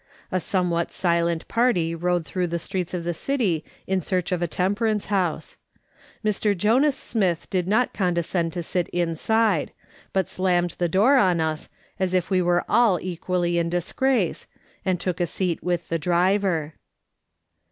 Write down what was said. A somewhat silent party rode through the streets of the city in search of a temperance house. Mr. Jonas Smith did not condescend to sit inside, but slammed the door 11 242 MRS. SOLOMON SMITH LOOKING ON. on lis as if we were all equally in disgrace, and took a seat with the driver.